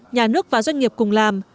nhà nước và doanh nghiệp cùng làm